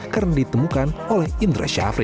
karena ditemukan oleh indra syafri